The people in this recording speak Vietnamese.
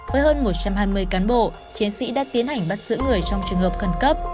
với hơn một trăm hai mươi cán bộ chiến sĩ đã tiến hành bắt giữ người trong trường hợp khẩn cấp